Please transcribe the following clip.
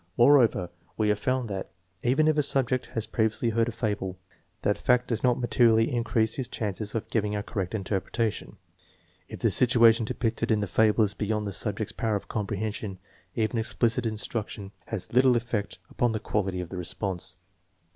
Moreover, we have found that, even if a subject has previously heard a fable, that fact does not materially increase his chances of giving a correct interpre tation. If the situation depicted in the fable is beyond the subject's power of comprehension even explicit instruction has little effect upon the quality of the response.